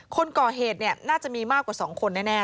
คนก่อเหตุเนี่ยน่าจะมีมากกว่าสองคนแน่